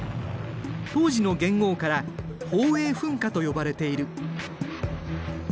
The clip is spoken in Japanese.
当時の元号から宝永噴火と呼ばれている。